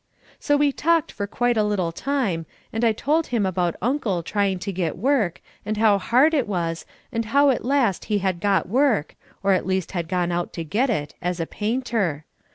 So we talked for quite a little time, and I told him about Uncle trying to get work and how hard it was and how at last he had got work, or at least had gone out to get it, as a painter.